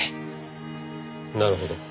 なるほど。